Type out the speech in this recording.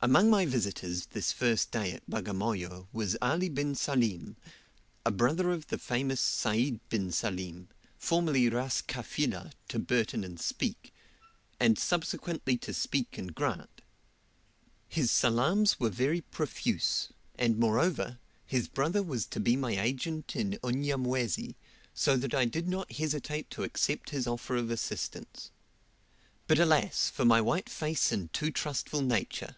Among my visitors this first day at Bagamoyo was Ali bin Salim, a brother of the famous Sayd bin Salim, formerly Ras Kafilah to Burton and Speke, and subsequently to Speke and Grant. His salaams were very profuse, and moreover, his brother was to be my agent in Unyamwezi, so that I did not hesitate to accept his offer of assistance. But, alas, for my white face and too trustful nature!